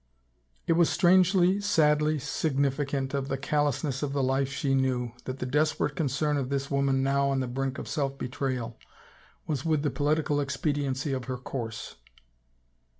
It was strangely, sadly significant of the callousness 246 THE LAST CARD of the life she knew, that the desperate concern of this woman now on the brink of self betrayal was with the political expediency of her course.